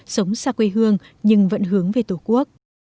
sống xa quê hương nhưng vẫn hướng về tổ quốc